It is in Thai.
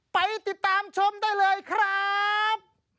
ไปติดตามชมได้เลยครับ